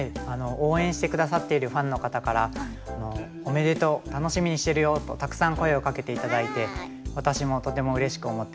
応援して下さっているファンの方から「おめでとう。楽しみにしてるよ」とたくさん声をかけて頂いて私もとてもうれしく思っております。